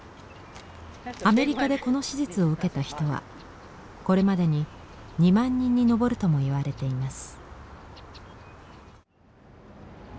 アメリカでこの手術を受けた人はこれまでに２万人に上るとも言われています。